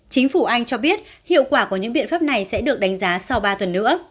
chính phủ anh cho biết hiệu quả của những biện pháp này sẽ được đánh giá sau ba tuần nữa